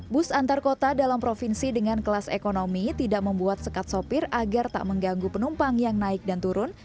bus antar kota dalam provinsi dengan kelas ekonomi tidak membuat sekat sopir agar tak mengganggu penumpang yang naik dan turun